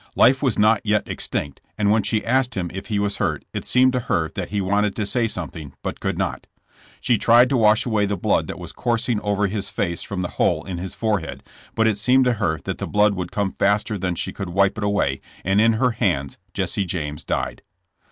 Life was not yet extinct, and when she asked him if he was hurt, it seemed to her that he wanted to say something, but could not. She tried to wash away the blood that was coursing over his face from the hole in his forehead, but it seemed to her that the blood would come faster than she could wipe it away, and in her hands Jesse James died.